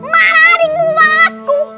marah ringgung sama aku